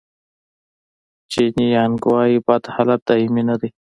جیني یانګ وایي بد حالت دایمي نه دی.